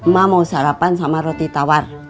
mak mau sarapan sama roti tawar